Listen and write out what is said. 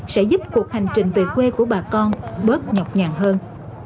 sẽ giúp cuộc hành trình về quê của bà con bớt nhọc nhàn hơn